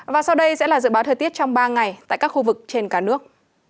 và sau đây sẽ là dự báo thời tiết trong ba ngày tại các khu vực trên cả nước